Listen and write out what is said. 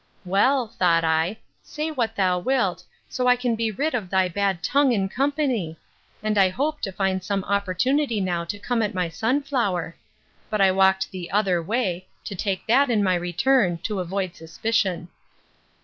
Well, thought I, say what thou wilt, so I can be rid of thy bad tongue and company: and I hope to find some opportunity now to come at my sunflower. But I walked the other way, to take that in my return, to avoid suspicion.